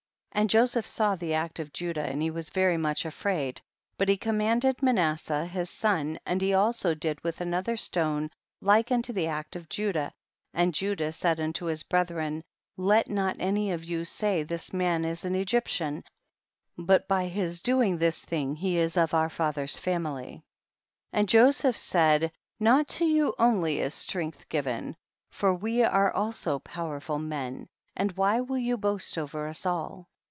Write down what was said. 30. And Joseph saw the act of Judah and he was very much afraid, but he commanded Manasseh his son and he also did with another stone like unto the act of Judah, and Judah said unto his brethren, let not any of you say, this man is an Egyp tian, but by his doing this thing he is of our father's family. 31. And Joseph said, not to you only is strength given, for we are also powerful men, and why will you boast over us all?